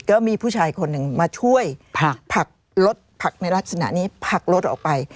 ก็มีผู้ชายคนหนึ่งมาช่วยผักรถนี้ผักรถออกไป